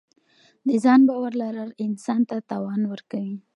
د ځان باور لرل انسان ته توان ورکوي.